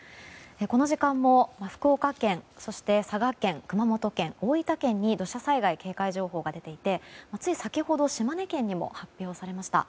この時間も、福岡県そして佐賀県、熊本県、大分県に土砂災害警戒情報が出ていてつい先ほど島根県にも発表されました。